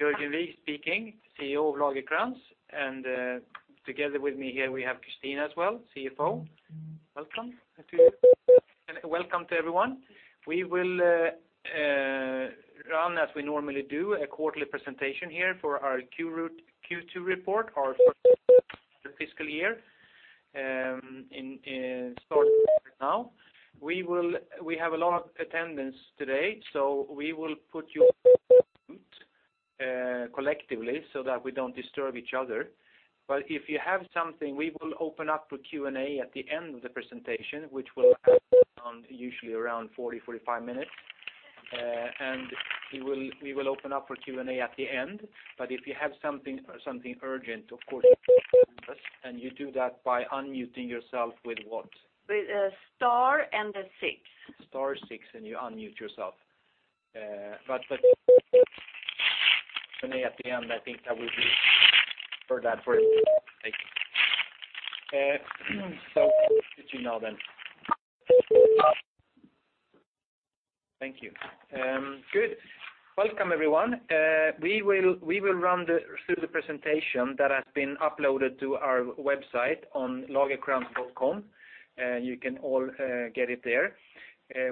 Jörgen Wigh speaking, CEO of Lagercrantz. Together with me here we have Kristina as well, CFO. Welcome to you. Welcome to everyone. We will run as we normally do, a quarterly presentation here for our Q2 report, our fiscal year, and it starts right now. We have a lot of attendance today, so we will put you [on mute] collectively so that we don't disturb each other. If you have something, we will open up for Q&A at the end of the presentation, which will usually around 40, 45 minutes. We will open up for Q&A at the end. If you have something urgent, of course, and you do that by unmuting yourself with what? With star and the six. Star six, and you unmute yourself. At the end, I think that will be for that. Good to know then. Thank you. Good. Welcome, everyone. We will run through the presentation that has been uploaded to our website on lagercrantz.com. You can all get it there.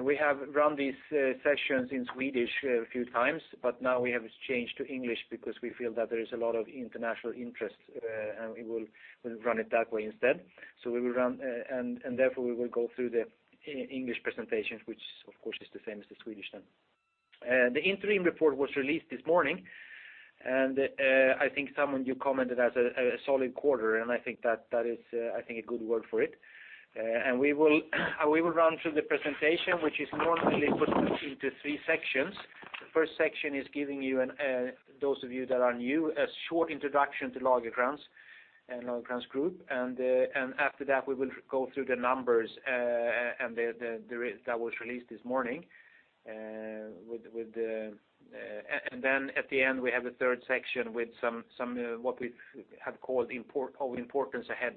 We have run these sessions in Swedish a few times, but now we have changed to English because we feel that there is a lot of international interest, and we will run it that way instead. Therefore we will go through the English presentation, which, of course, is the same as the Swedish then. The interim report was released this morning, and I think some of you commented as a solid quarter, and I think that is a good word for it. We will run through the presentation, which is normally put into three sections. The first section is giving those of you that are new, a short introduction to Lagercrantz and Lagercrantz Group. We will go through the numbers that was released this morning. At the end, we have a third section with what we have called all importance ahead,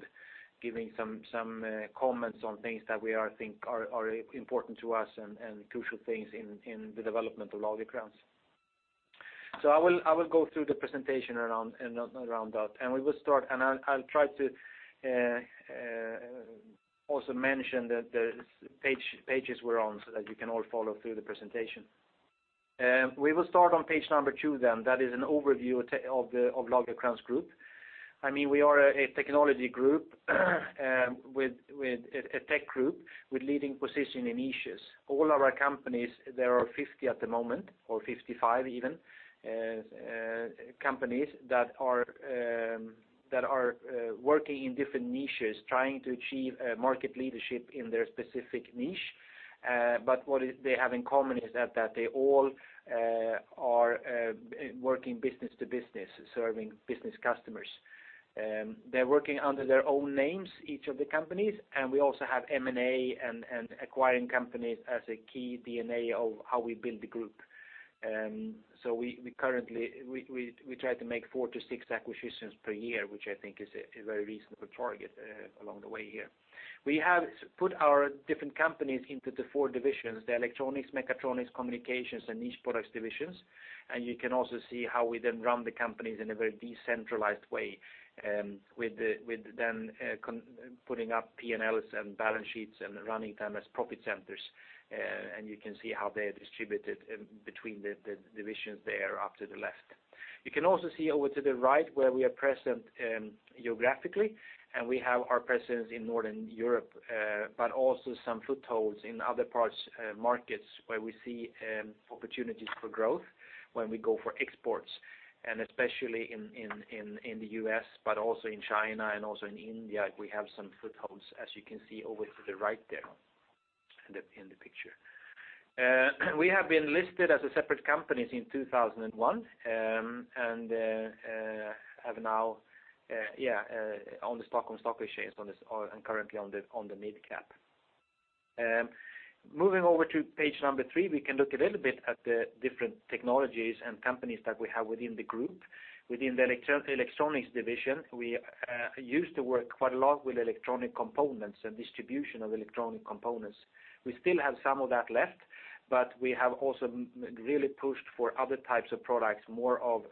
giving some comments on things that we think are important to us and crucial things in the development of Lagercrantz. I will go through the presentation and round out. I'll try to also mention the pages we're on so that you can all follow through the presentation. We will start on page number two then. That is an overview of Lagercrantz Group. We are a technology group, a tech group with leading position in niches. All our companies, there are 50 at the moment, or 55 even, companies that are working in different niches trying to achieve market leadership in their specific niche. What they have in common is that they all are working business to business, serving business customers. They're working under their own names, each of the companies, we also have M&A and acquiring companies as a key DNA of how we build the group. We try to make four to six acquisitions per year, which I think is a very reasonable target along the way here. We have put our different companies into the four divisions, the Electronics, Mechatronics, Communications, and Niche Products divisions. You can also see how we then run the companies in a very decentralized way, with them putting up P&Ls and balance sheets and running them as profit centers. You can see how they're distributed between the divisions there up to the left. You can also see over to the right where we are present geographically, and we have our presence in Northern Europe, but also some footholds in other markets where we see opportunities for growth when we go for exports, and especially in the U.S., but also in China and also in India, we have some footholds, as you can see over to the right there in the picture. We have been listed as a separate company since 2001, and have now on the Stockholm Stock Exchange and currently on the Mid Cap. Moving over to page number three, we can look a little bit at the different technologies and companies that we have within the group. Within the Electronics division, we used to work quite a lot with electronic components and distribution of electronic components. We still have some of that left, we have also really pushed for other types of products, more of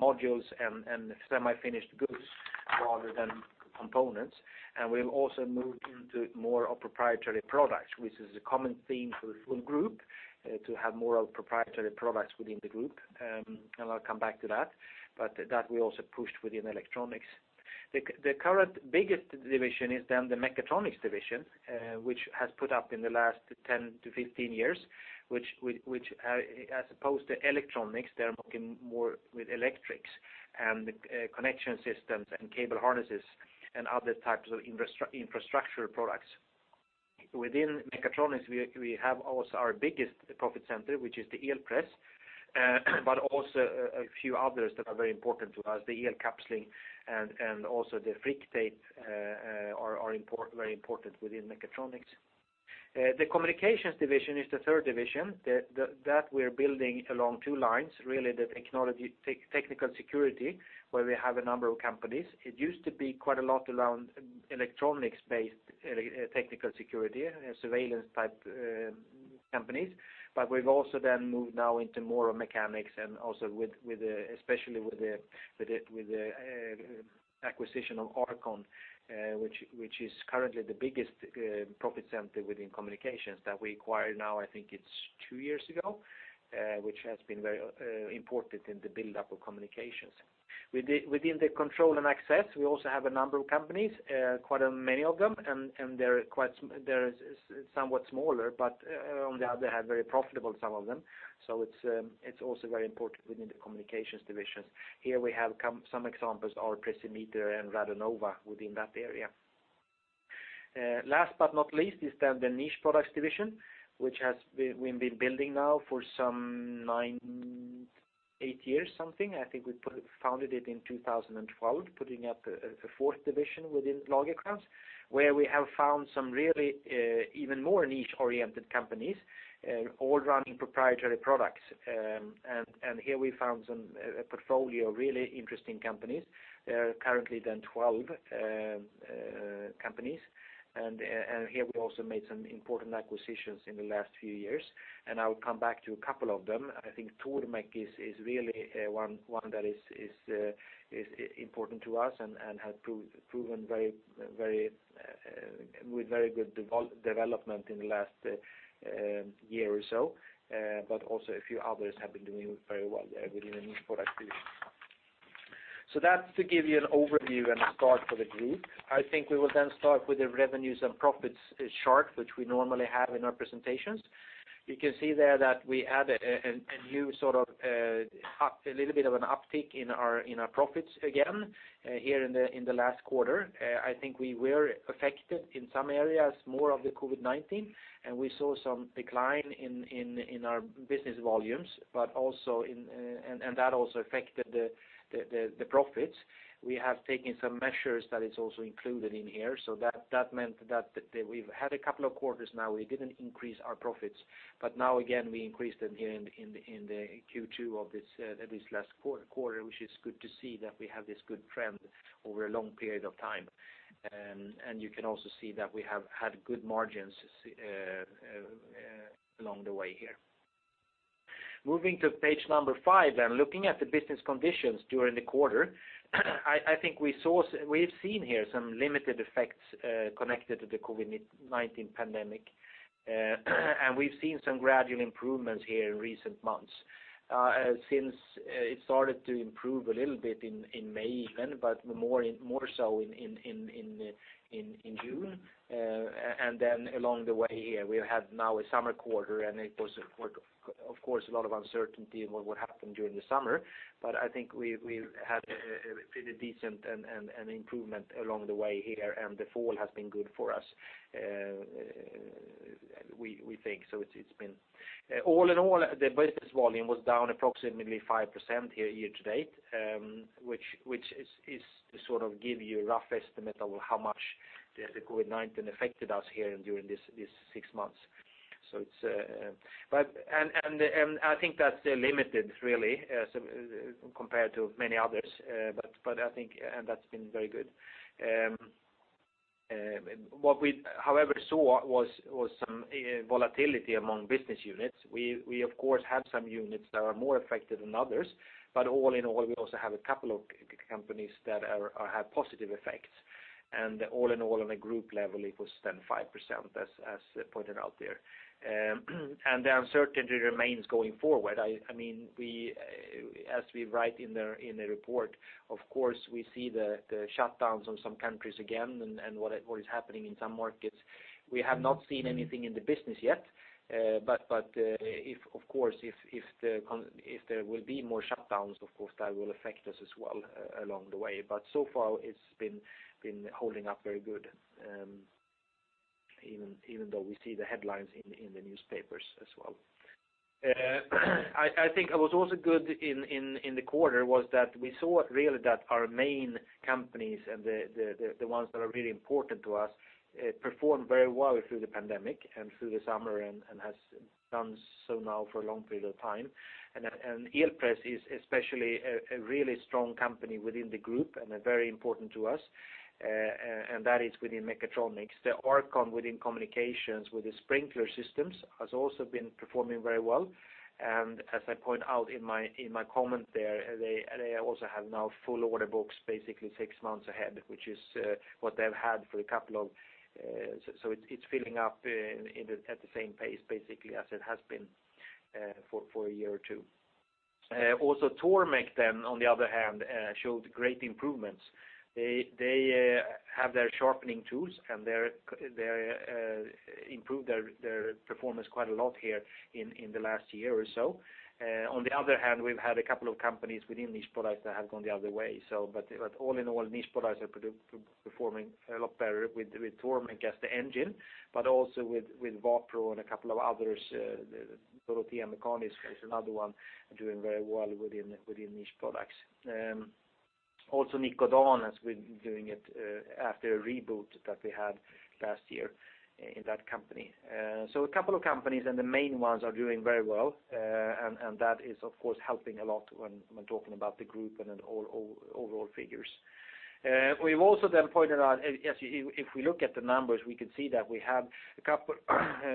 modules and semi-finished goods rather than components. We've also moved into more of proprietary products, which is a common theme for the full group, to have more of proprietary products within the group, I'll come back to that. That we also pushed within Electronics division. The current biggest division is then the Mechatronics division, which has put up in the last 10-15 years, which as opposed to electronics, they're working more with electrics and connection systems and cable harnesses and other types of infrastructure products. Within Mechatronics division, we have also our biggest profit center, which is the Elpress, but also a few others that are very important to us, the Elkapsling and also the Frictape are very important within Mechatronics division. The Communications division is the third division. We're building along two lines, really the technical security, where we have a number of companies. It used to be quite a lot around electronics-based technical security, surveillance-type companies, but we've also then moved now into more mechanics and also especially with the acquisition of R-CON, which is currently the biggest profit center within Communications that we acquired now, I think it's two years ago, which has been very important in the buildup of Communications. Within the control and access, we also have a number of companies, quite many of them, and they're somewhat smaller, but on the other hand, very profitable, some of them, so it's also very important within the Communications division. Here we have some examples are Precimeter and Radonova within that area. Last but not least is then the Niche Products division, which we've been building now for some nine, eight years, something. I think we founded it in 2012, putting up the fourth division within Lagercrantz, where we have found some really even more niche-oriented companies, all running proprietary products. Here we found a portfolio of really interesting companies. Here we also made some important acquisitions in the last few years, and I will come back to a couple of them. I think Tormek is really one that is important to us and has proven with very good development in the last year or so. Also a few others have been doing very well within the Niche Products division. That's to give you an overview and a start for the group. I think we will start with the revenues and profits chart, which we normally have in our presentations. You can see there that we added a little bit of an uptick in our profits again here in the last quarter. I think we were affected in some areas more of the COVID-19, and we saw some decline in our business volumes, and that also affected the profits. We have taken some measures that is also included in here, that meant that we've had a couple of quarters now we didn't increase our profits, now again, we increased them here in the Q2 of this last quarter, which is good to see that we have this good trend over a long period of time. You can also see that we have had good margins along the way here. Moving to page number five and looking at the business conditions during the quarter, I think we've seen here some limited effects connected to the COVID-19 pandemic. We've seen some gradual improvements here in recent months. Since it started to improve a little bit in May even, more so in June. Along the way here, we have now a summer quarter. It was, of course, a lot of uncertainty in what would happen during the summer. I think we've had a pretty decent improvement along the way here. The fall has been good for us, we think. All in all, the business volume was down approximately 5% here year-to-date, which sort of gives you a rough estimate of how much the COVID-19 affected us here during these six months. I think that's limited really, compared to many others, but I think that's been very good. What we, however, saw was some volatility among business units. We of course have some units that are more affected than others, but all in all, we also have a couple of companies that have positive effects. All in all, on a group level, it was then 5%, as pointed out there. The uncertainty remains going forward. As we write in the report, of course, we see the shutdowns on some countries again and what is happening in some markets. We have not seen anything in the business yet, but of course, if there will be more shutdowns, of course, that will affect us as well along the way. So far, it's been holding up very good, even though we see the headlines in the newspapers as well. I think what was also good in the quarter was that we saw really that our main companies and the ones that are really important to us, performed very well through the pandemic and through the summer and have done so now for a long period of time. Elpress is especially a really strong company within the group and very important to us, and that is within Mechatronics. The R-CON within Communications with the sprinkler systems has also been performing very well. As I point out in my comment there, they also have now full order books, basically six months ahead. It's filling up at the same pace, basically, as it has been for a year or two. Tormek, on the other hand, showed great improvements. They have their sharpening tools and they improved their performance quite a lot here in the last year or so. On the other hand, we've had a couple of companies within Niche Products that have gone the other way. All in all, Niche Products are performing a lot better with Tormek as the engine, but also with Wapro and a couple of others. Dorotea Mekaniska is another one doing very well within Niche Products. Also Nikodan has been doing it after a reboot that we had last year in that company. A couple of companies and the main ones are doing very well, and that is, of course, helping a lot when talking about the group and overall figures. We've also pointed out, if we look at the numbers, we can see that we have a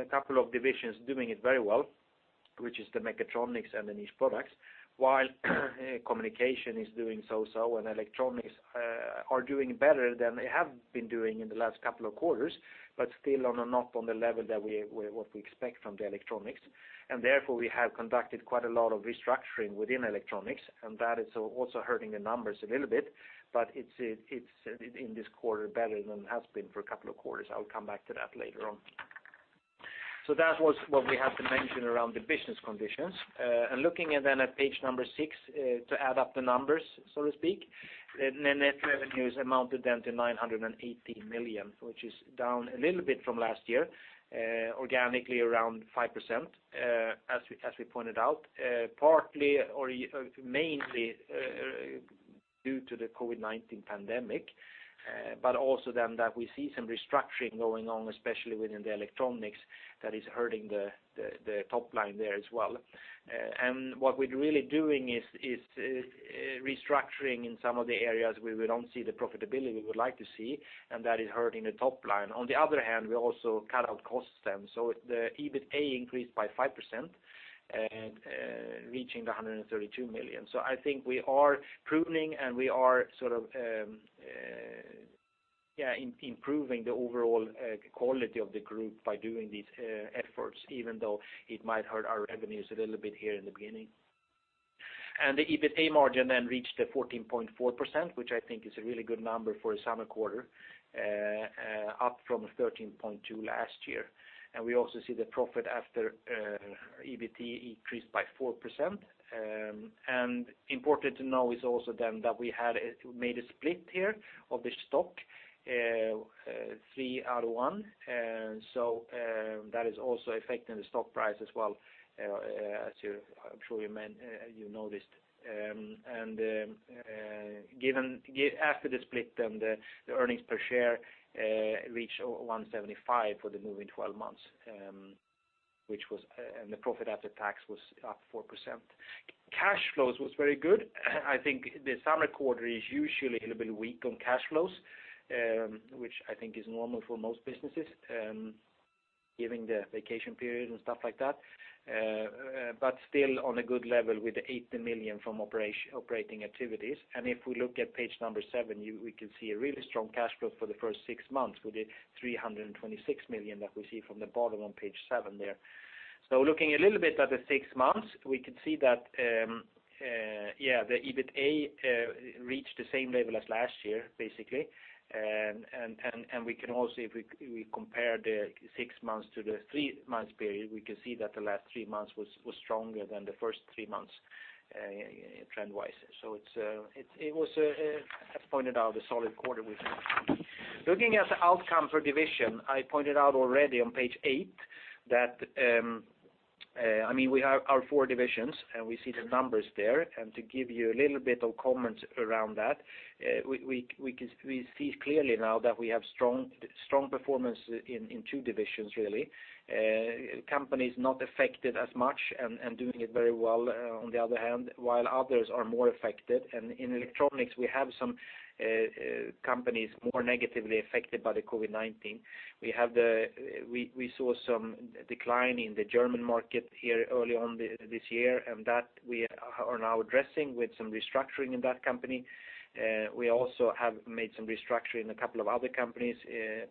couple of divisions doing it very well, which is the Mechatronics and the Niche Products, while Communications is doing so-so, and Electronics are doing better than they have been doing in the last couple of quarters, but still not on the level what we expect from the electronics. Therefore, we have conducted quite a lot of restructuring within electronics, and that is also hurting the numbers a little bit, but it's, in this quarter, better than it has been for a couple of quarters. I will come back to that later on. That was what we have to mention around the business conditions. Looking at page number six, to add up the numbers, so to speak. The net revenues amounted then to 980 million, which is down a little bit from last year, organically around 5%, as we pointed out. Mainly due to the COVID-19 pandemic, but also then that we see some restructuring going on, especially within the Electronics that is hurting the top-line there as well. What we're really doing is restructuring in some of the areas where we don't see the profitability we would like to see, and that is hurting the top-line. On the other hand, we also cut out costs then. The EBITA increased by 5%, reaching the 132 million. I think we are pruning, and we are improving the overall quality of the group by doing these efforts, even though it might hurt our revenues a little bit here in the beginning. The EBITA margin reached 14.4%, which I think is a really good number for a summer quarter, up from 13.2% last year. We also see the profit after EBT increased by 4%. Important to know is also that we had made a split here of the stock, three out of one. That is also affecting the stock price as well, as I'm sure you noticed. After the split, the earnings per share reached [1.75 for the moving 12 months, and the profit after tax was up 4%. Cash flows was very good. I think the summer quarter is usually a little bit weak on cash flows, which I think is normal for most businesses, given the vacation period and stuff like that. Still on a good level with the 80 million from operating activities. If we look at page number seven, we can see a really strong cash flow for the first six months with the 326 million that we see from the bottom on page seven there. Looking a little bit at the six months, we can see that the EBITA reached the same level as last year, basically. We can also, if we compare the six months to the three months period, we can see that the last three months was stronger than the first three months, trend wise. It was, as pointed out, a solid quarter we've had. Looking at the outcome for division, I pointed out already on page eight that we have our four divisions, and we see the numbers there. To give you a little bit of comment around that, we see clearly now that we have strong performance in two divisions, really. Companies not affected as much and doing it very well on the other hand, while others are more affected. In Electronics, we have some companies more negatively affected by the COVID-19. We saw some decline in the German market here early on this year, and that we are now addressing with some restructuring in that company. We also have made some restructuring in a couple of other companies.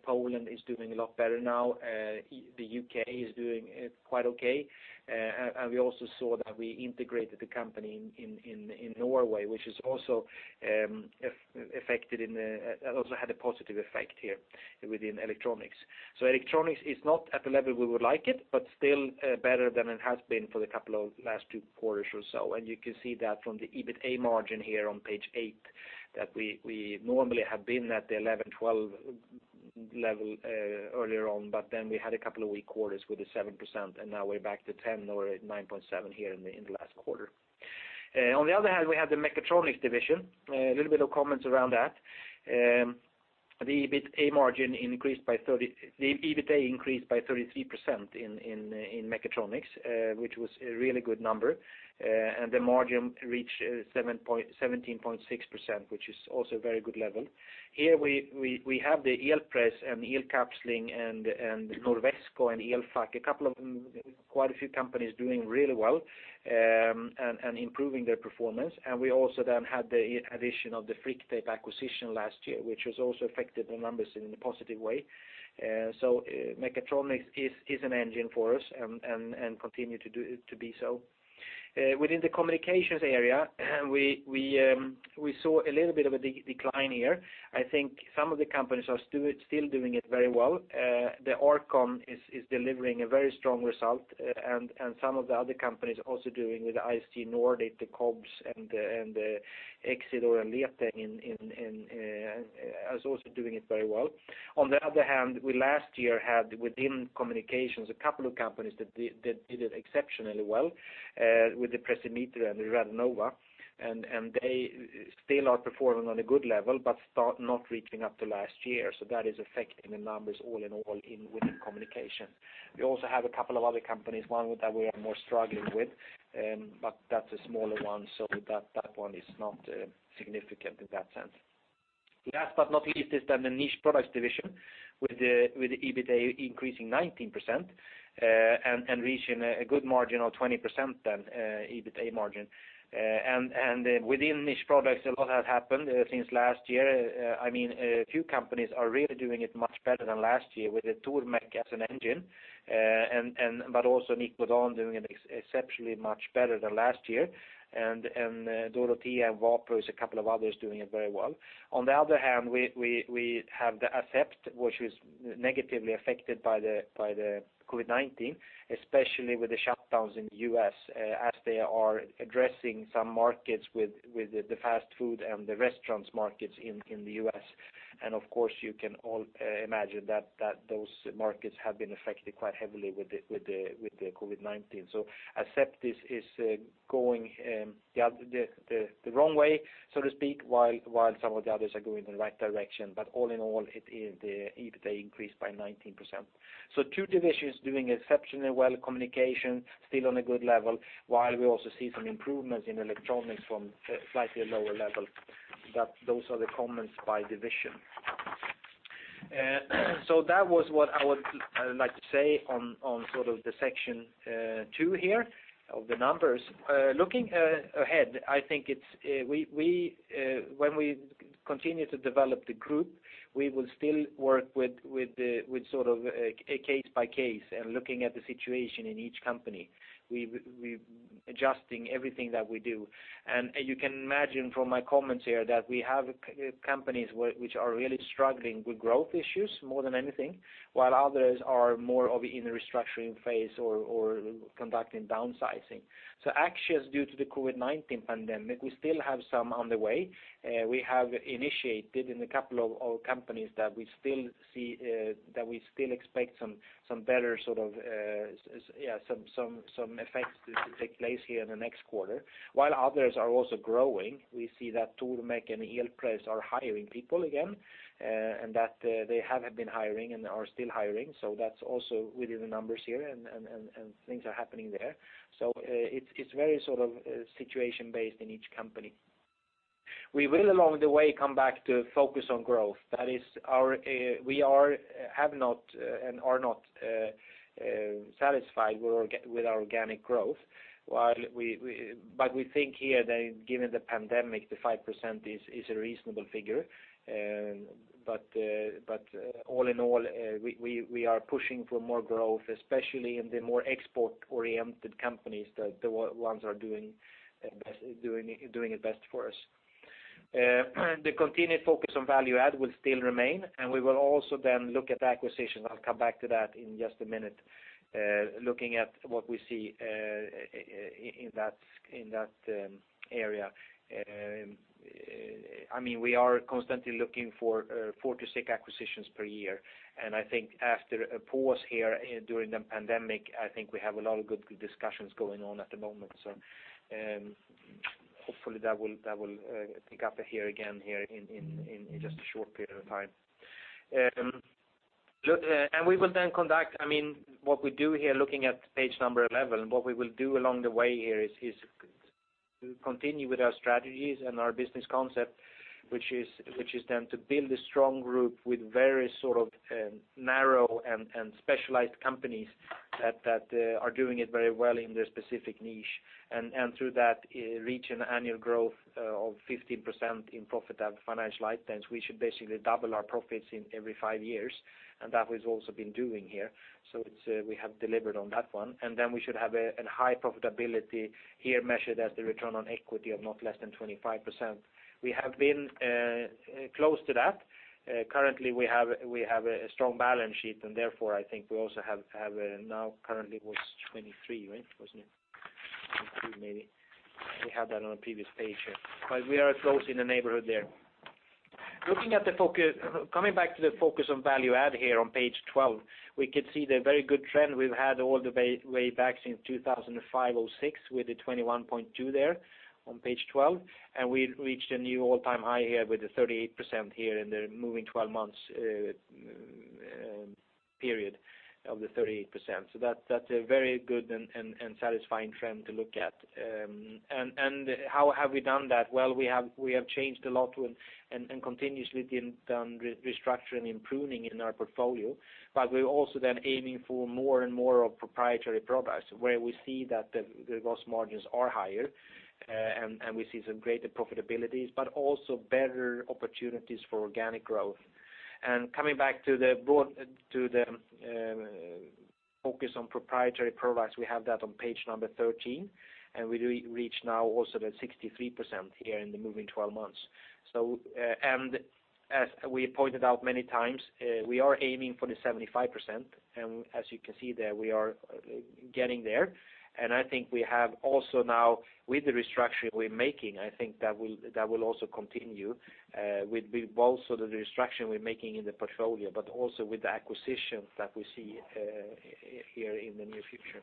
Poland is doing a lot better now. The U.K. is doing quite okay. We also saw that we integrated the company in Norway, which also had a positive effect here within electronics. Electronics is not at the level we would like it, but still better than it has been for the couple of last two quarters or so. You can see that from the EBITA margin here on page eight, that we normally have been at the 11, 12 level earlier on, but then we had a couple of weak quarters with the 7%, and now we're back to 10, or 9.7 here in the last quarter. On the other hand, we have the Mechatronics division. A little bit of comments around that. The EBITA increased by 33% in Mechatronics, which was a really good number. The margin reached 17.6%, which is also a very good level. Here we have the Elpress and Elkapsling and Norwesco and Elfac, quite a few companies doing really well and improving their performance. We also then had the addition of the Frictape acquisition last year, which has also affected the numbers in a positive way. Mechatronics is an engine for us and continue to be so. Within the Communications area, we saw a little bit of a decline here. I think some of the companies are still doing it very well. The R-CON is delivering a very strong result. Some of the other companies also doing with the ISG Nordic, the COBS and Excidor and Leteng is also doing it very well. On the other hand, we last year had, within Communications, a couple of companies that did exceptionally well, with the Precimeter and the Radonova, and they still are performing on a good level, but not reaching up to last year. That is affecting the numbers all in all within Communications. We also have a couple of other companies, one that we are more struggling with, but that's a smaller one, so that one is not significant in that sense. Last but not least is the Niche Products division with the EBITA increasing 19% and reaching a good margin of 20% then EBITA margin. Within Niche Products, a lot has happened since last year. A few companies are really doing it much better than last year with the Tormek as an engine, but also Nikodan doing exceptionally much better than last year, and Dorotea and Wapro is a couple of others doing it very well. On the other hand, we have the Asept, which was negatively affected by the COVID-19, especially with the shutdowns in the U.S. as they are addressing some markets with the fast food and the restaurants markets in the U.S. Of course, you can all imagine that those markets have been affected quite heavily with the COVID-19. Asept is going the wrong way, so to speak, while some of the others are going in the right direction. All in all, the EBITA increased by 19%. Two divisions doing exceptionally well, Communications still on a good level, while we also see some improvements in Electronics from a slightly lower level. Those are the comments by division. That was what I would like to say on the section two here of the numbers. Looking ahead, when we continue to develop the group, we will still work with case by case and looking at the situation in each company, adjusting everything that we do. You can imagine from my comments here that we have companies which are really struggling with growth issues more than anything, while others are more in the restructuring phase or conducting downsizing. Actions due to the COVID-19 pandemic, we still have some on the way. We have initiated in a couple of our companies that we still expect some effects to take place here in the next quarter, while others are also growing. We see that Tormek and Elpress are hiring people again, and that they have been hiring and are still hiring. That's also within the numbers here and things are happening there. It's very situation based in each company. We will, along the way, come back to focus on growth. That is, we have not and are not satisfied with our organic growth. We think here that given the pandemic, the 5% is a reasonable figure. All in all, we are pushing for more growth, especially in the more export-oriented companies, the ones are doing it best for us. The continued focus on value add will still remain, and we will also then look at acquisitions. I'll come back to that in just a minute, looking at what we see in that area. We are constantly looking for four to six acquisitions per year, I think after a pause here during the pandemic, I think we have a lot of good discussions going on at the moment. Hopefully that will pick up here again in just a short period of time. We will then what we do here, looking at page number 11, what we will do along the way here is continue with our strategies and our business concept, which is then to build a strong group with very narrow and specialized companies that are doing it very well in their specific niche. Through that, reach an annual growth of 15% in [profit after] financial items. We should basically double our profits in every five years, and that we've also been doing here. We have delivered on that one. We should have a high profitability here measured as the return on equity of not less than 25%. We have been close to that. Currently, we have a strong balance sheet, and therefore, I think we also have now currently it was 23, right? Wasn't it? 23 maybe. We had that on a previous page here. We are close in the neighborhood there. Coming back to the focus on value add here on page 12, we could see the very good trend we've had all the way back since 2005, 2006 with the 21.2 there on page 12. We reached a new all-time high here with the 38% here in the moving 12 months period of the 38%. That's a very good and satisfying trend to look at. How have we done that? Well, we have changed a lot and continuously been restructuring and pruning in our portfolio. We're also then aiming for more and more of proprietary products where we see that the gross margins are higher and we see some greater profitabilities, but also better opportunities for organic growth. Coming back to the focus on proprietary products, we have that on page number 13, and we reach now also the 63% here in the moving 12 months. As we pointed out many times, we are aiming for the 75%, and as you can see there, we are getting there. I think we have also now with the restructuring we're making, I think that will also continue with both the restructuring we're making in the portfolio, but also with the acquisitions that we see here in the near future.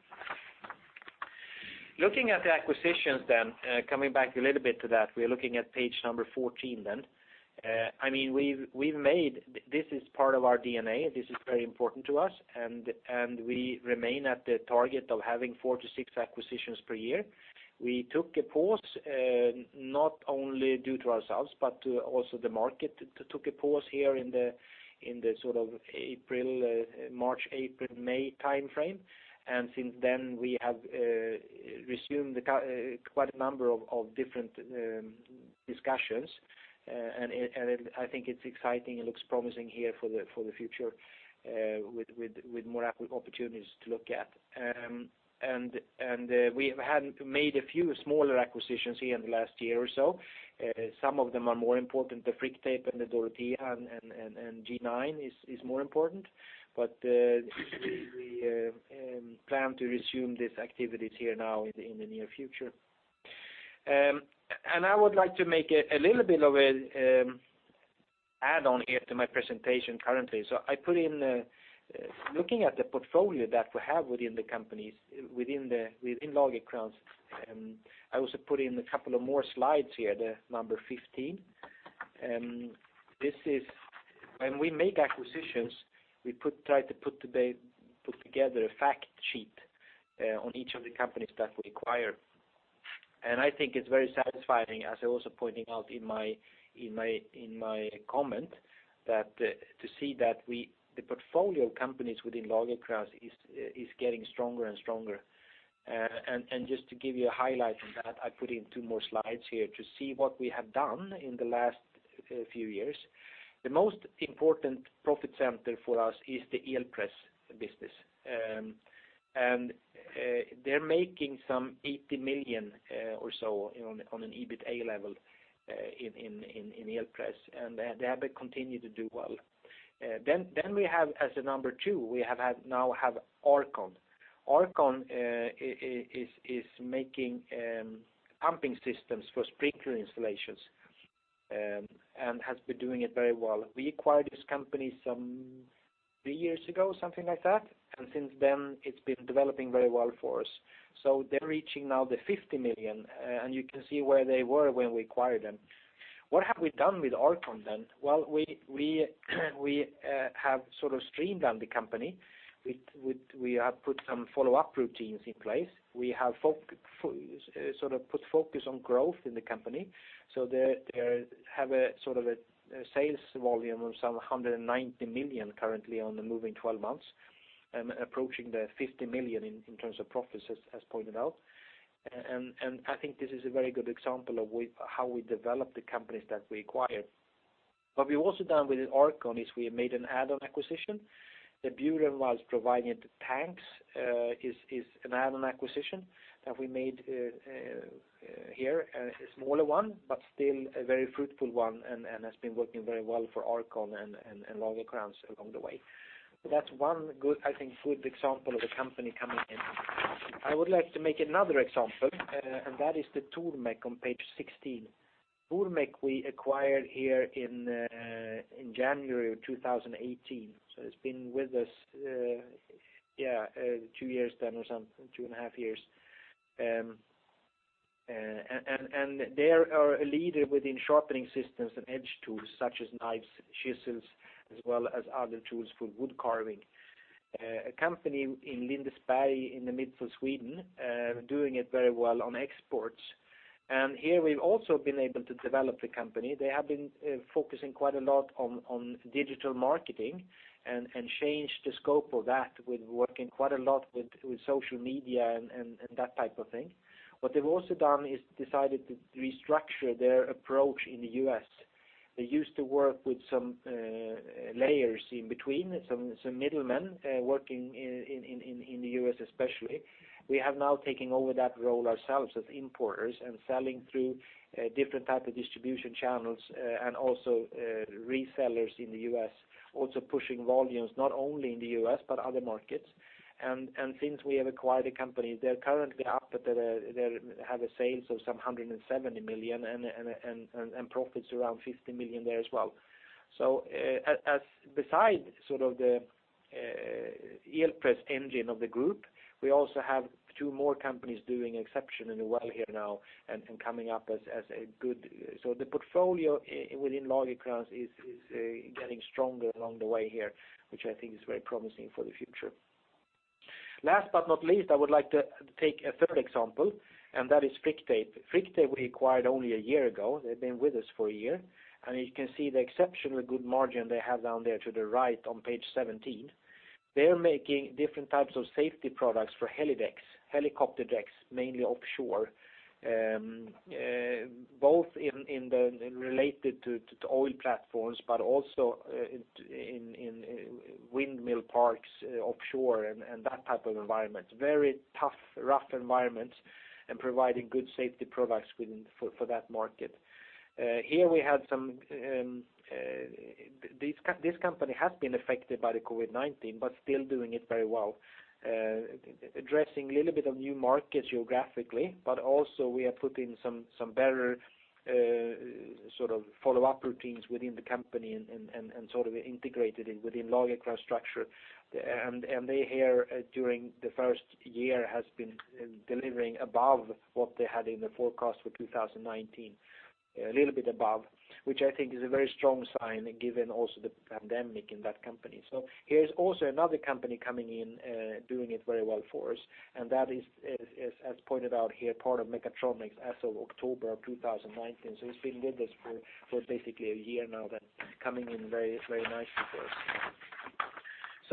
Looking at the acquisitions then, coming back a little bit to that, we're looking at page number 14 then. This is part of our DNA. This is very important to us, and we remain at the target of having four to six acquisitions per year. We took a pause, not only due to ourselves, but to also the market took a pause here in the March, April, May timeframe. Since then, we have resumed quite a number of different discussions, and I think it's exciting. It looks promising here for the future, with more opportunities to look at. We have made a few smaller acquisitions here in the last year or so. Some of them are more important. The Frictape and the Dorotea and G9 is more important. We plan to resume these activities here now in the near future. I would like to make a little bit of an add-on here to my presentation currently. Looking at the portfolio that we have within Lagercrantz, I also put in a couple of more slides here, the number 15. When we make acquisitions, we try to put together a fact sheet on each of the companies that we acquire. I think it's very satisfying, as I also pointed out in my comment, to see that the portfolio of companies within Lagercrantz is getting stronger and stronger. Just to give you a highlight on that, I put in two more slides here to see what we have done in the last few years. The most important profit center for us is the Elpress business. They're making some 80 million or so on an EBITA level in Elpress, and they have continued to do well. We have as a number two, we now have R-CON. R-CON is making pumping systems for sprinkler installations and has been doing it very well. We acquired this company some three years ago, something like that, and since then it's been developing very well for us. They're reaching now the 50 million, and you can see where they were when we acquired them. What have we done with R-CON then? Well, we have sort of streamlined the company. We have put some follow-up routines in place. We have put focus on growth in the company. They have a sales volume of some 190 million currently on the moving 12 months and approaching 50 million in terms of profits as pointed out. I think this is a very good example of how we develop the companies that we acquire. What we've also done with R-CON is we have made an add-on acquisition. The Burenwall providing the tanks is an add-on acquisition that we made here, a smaller one, but still a very fruitful one and has been working very well for R-CON and Lagercrantz along the way. That's one good example of a company coming in. I would like to make another example, and that is the Tormek on page 16. Tormek we acquired here in January of 2018. It's been with us two years then or something, two and a half years. They are a leader within sharpening systems and edge tools such as knives, chisels, as well as other tools for wood carving. A company in Lindesberg in the midst of Sweden, doing it very well on exports. Here we've also been able to develop the company. They have been focusing quite a lot on digital marketing and changed the scope of that with working quite a lot with social media and that type of thing. What they've also done is decided to restructure their approach in the U.S. They used to work with some layers in between, some middlemen working in the U.S. especially. We have now taken over that role ourselves as importers and selling through different types of distribution channels and also resellers in the U.S., also pushing volumes not only in the U.S. but other markets. Since we have acquired the company, they're currently up, they have a sales of some 170 million and profits around 50 million there as well. Beside sort of the Elpress engine of the group, we also have two more companies doing exceptionally well here now. The portfolio within Lagercrantz is getting stronger along the way here, which I think is very promising for the future. Last but not least, I would like to take a third example, and that is Frictape. Frictape we acquired only a year ago. They've been with us for a year, and you can see the exceptionally good margin they have down there to the right on page 17. They're making different types of safety products for helidecks, helicopter decks, mainly offshore, both related to oil platforms, but also in windmill parks offshore and that type of environment, very tough, rough environments and providing good safety products for that market. Here we have this company that has been affected by the COVID-19, but still doing it very well. Addressing a little bit of new markets geographically, but also we have put in some better follow-up routines within the company and integrated it within Lagercrantz structure. They here, during the first year, have been delivering above what they had in the forecast for 2019, a little bit above, which I think is a very strong sign given also the pandemic in that company. Here is also another company coming in, doing it very well for us, and that is, as pointed out here, part of Mechatronics as of October of 2019. It's been with us for basically one year now, and coming in very nicely for us.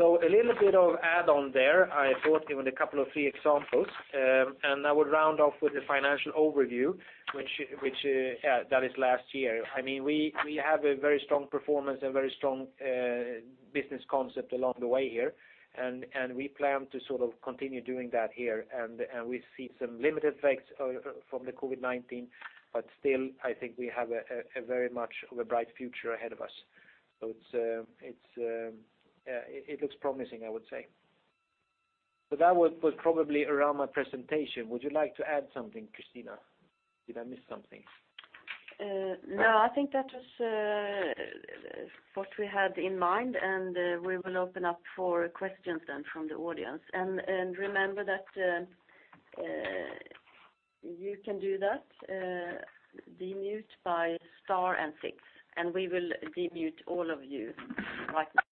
A little bit of add on there. I thought even a couple of three examples, and I would round off with the financial overview, that is last year. We have a very strong performance and very strong business concept along the way here, and we plan to continue doing that here. We see some limited effects from the COVID-19, but still, I think we have a very much of a bright future ahead of us. It looks promising, I would say. That was probably around my presentation. Would you like to add something, Kristina? Did I miss something? I think that was what we had in mind. We will open up for questions then from the audience. Remember that you can do that, unmute by star and six. We will unmute all of you right now.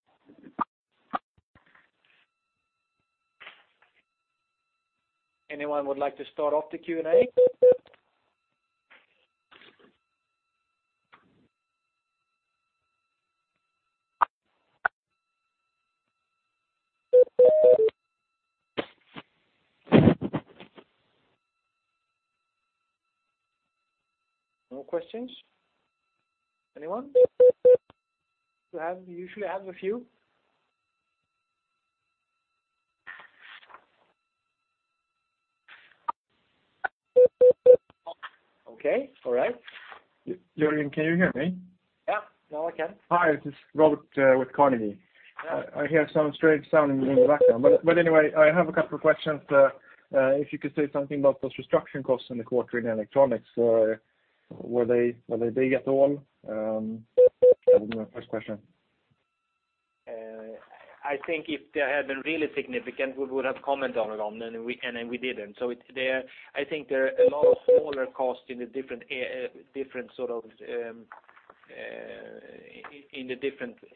Anyone would like to start off the Q&A? No questions. Anyone? We usually have a few. Okay. All right. Jörgen, can you hear me? Yeah. Now I can. Hi, this is Robert with Carnegie. Yeah. I hear some strange sounding in the background. I have a couple of questions. If you could say something about those restructuring costs in the quarter in Electronics. Were they big at all? That would be my first question. I think if they had been really significant, we would have commented on it, and we didn't. I think there are a lot of smaller costs in the different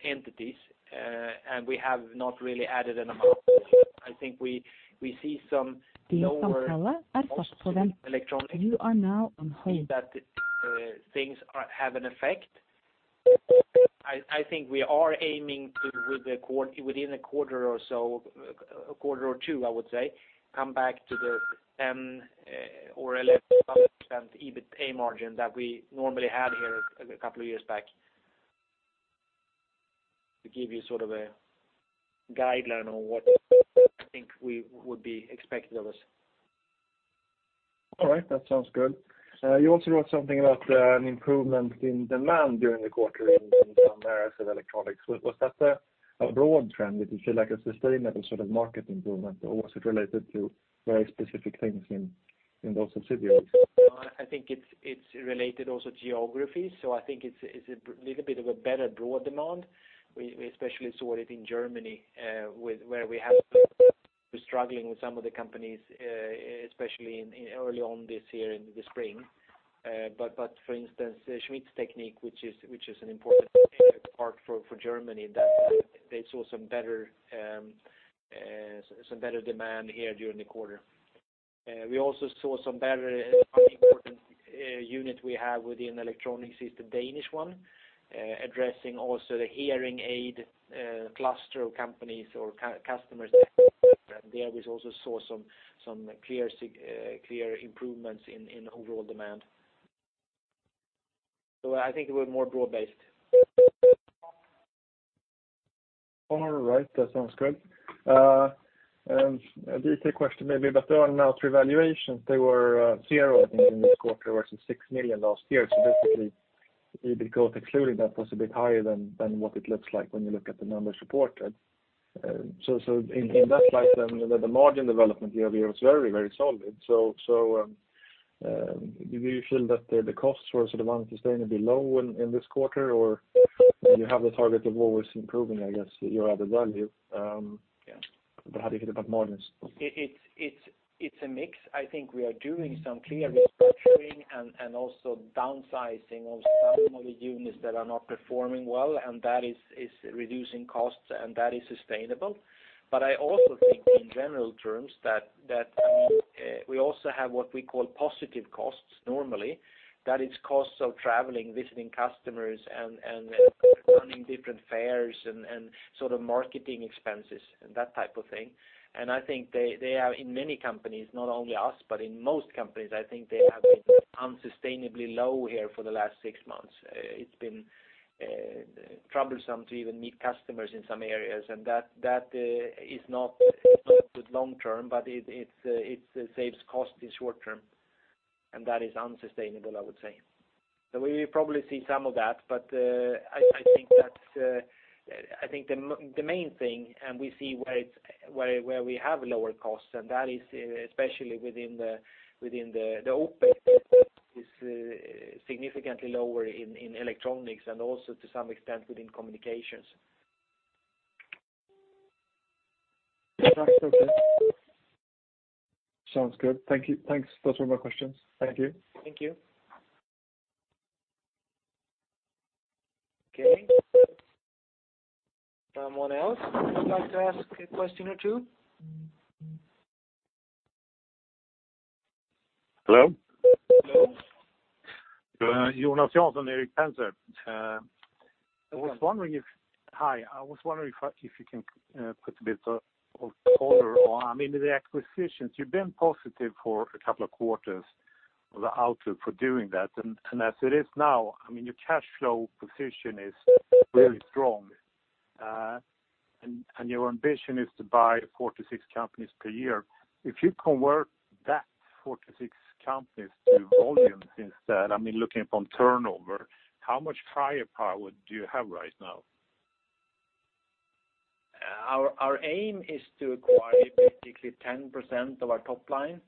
entities, and we have not really added an amount. I think we see some lower costs in electronics. You are now on hold. That things have an effect. I think we are aiming to, within a quarter or two, I would say, come back to the 10% or 11% EBITA margin that we normally had here a couple of years back. To give you sort of a guideline on what I think would be expected of us. All right. That sounds good. You also wrote something about an improvement in demand during the quarter in some areas of electronics. Was that a broad trend? Did you feel like a sustainable sort of market improvement, or was it related to very specific things in those subsidiaries? I think it's related also geography. I think it's a little bit of a better broad demand. We especially saw it in Germany, where we have been struggling with some of the companies, especially early on this year in the spring. For instance, Schmitztechnik, which is an important part for Germany, they saw some better demand here during the quarter. We also saw some better, one important unit we have within Electronics is the Danish one, addressing also the hearing aid cluster of companies or customers there. There we also saw some clear improvements in overall demand. I think it was more broad-based. All right. That sounds good. A detailed question maybe, on earn-out valuations, they were zero, I think, in this quarter versus 6 million last year. Basically, EBITA cost excluding that was a bit higher than what it looks like when you look at the numbers reported. In that light, the margin development here was very solid. Do you feel that the costs were sort of unsustainably low in this quarter, or you have the target of always improving, I guess, your added value? Yeah. How do you feel about margins? It's a mix. I think we are doing some clear restructuring and also downsizing of some of the units that are not performing well, and that is reducing costs, and that is sustainable. I also think in general terms that we also have what we call positive costs normally. That it's costs of traveling, visiting customers, and attending different fairs and sort of marketing expenses and that type of thing. I think they are in many companies, not only us, but in most companies, I think they have been unsustainably low here for the last six months. It's been troublesome to even meet customers in some areas, and that is not good long term, but it saves cost in short term. That is unsustainable, I would say. We will probably see some of that, but I think the main thing, and we see where we have lower costs, and that is especially within the [OpEx] is significantly lower in Electronics and also to some extent within Communications. Sounds good. Thank you. Those were my questions. Thank you. Thank you. Okay. Someone else who would like to ask a question or two? Hello? Hello. Hi. I was wondering if you can put a bit of color on the acquisitions. You've been positive for a couple of quarters on the outlook for doing that. As it is now, your cash flow position is very strong. Your ambition is to buy four to six companies per year. If you convert that four to six companies to volume instead, looking from turnover, how much firepower do you have right now? Our aim is to acquire basically 10% of our top-line.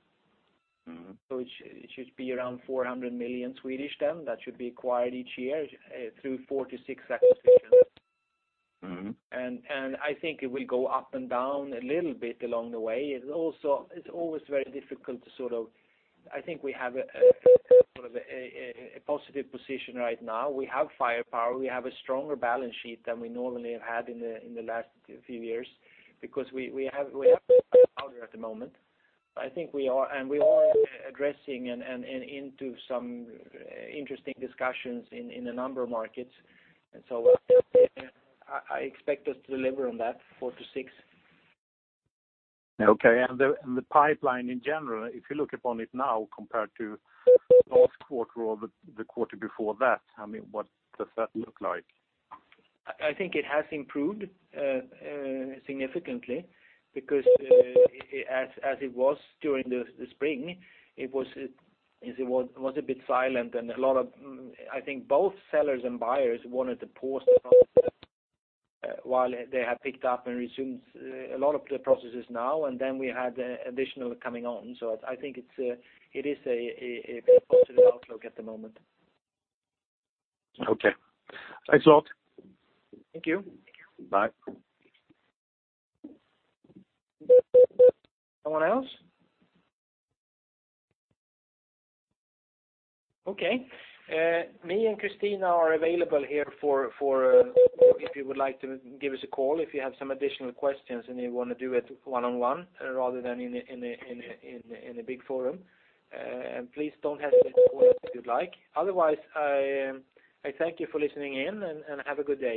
Which should be around 400 million then, that should be acquired each year through four to six acquisitions. I think it will go up and down a little bit along the way. It's always very difficult. I think we have a positive position right now. We have firepower. We have a stronger balance sheet than we normally have had in the last few years, because we have at the moment. We are addressing and into some interesting discussions in a number of markets. I expect us to deliver on that four to six. Okay. The pipeline in general, if you look upon it now compared to last quarter or the quarter before that, what does that look like? I think it has improved significantly. As it was during the spring, it was a bit silent. I think both sellers and buyers wanted to pause while they have picked up and resumed a lot of the processes now. We had additional coming on. I think it is a positive outlook at the moment. Okay. Thanks a lot. Thank you. Bye. Someone else? Okay. Me and Kristina are available here if you would like to give us a call, if you have some additional questions and you want to do it one-on-one rather than in a big forum. Please don't hesitate to call us if you'd like. Otherwise, I thank you for listening in, and have a good day